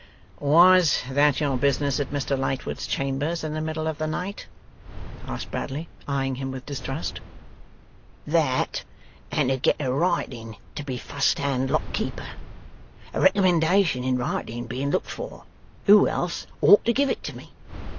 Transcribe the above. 'Was that your business at Mr Lightwood's chambers in the middle of the night?' asked Bradley, eyeing him with distrust. 'That and to get a writing to be fust hand Lock Keeper. A recommendation in writing being looked for, who else ought to give it to me?